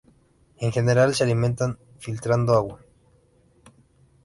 En general se alimentan filtrando agua.